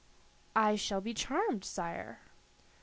"I shall be charmed, sire."